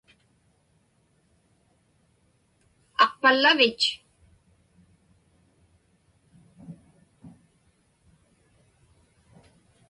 Aqpallavich?